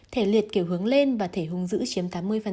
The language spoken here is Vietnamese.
thể liệt kiểu hướng lên và thể hùng giữ chiếm tám mươi